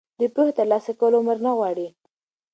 د پوهې ترلاسه کول عمر نه غواړي.